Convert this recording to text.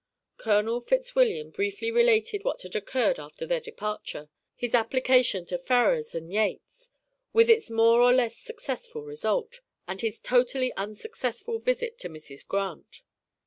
Colonel Fitzwilliam briefly related what had occurred after their departure, his application to Ferrars and Yates, with its more or less successful result, and his totally unsuccessful visit to Mrs. Grant.